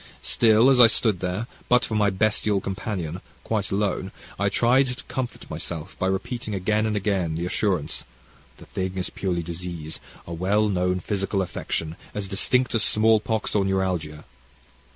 Still as I stood there, but for my bestial companion, quite alone, I tried to comfort myself by repeating again and again the assurance, 'the thing is purely disease, a well known physical affection, as distinctly as small pox or neuralgia.